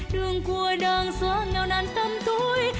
đường cuối đường xóa ngào nàn tâm tôi